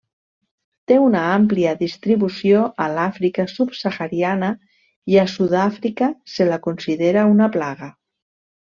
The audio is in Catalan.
Té una àmplia distribució a l'Àfrica subsahariana i a Sud-àfrica se la considera una plaga.